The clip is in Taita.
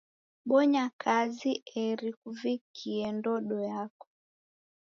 Bonya kazi eri kuvikie ndodo yako.